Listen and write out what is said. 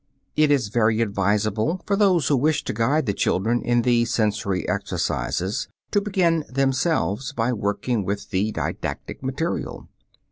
It is very advisable for those who wish to guide the children in these sensory exercises to begin themselves by working with the didactic material.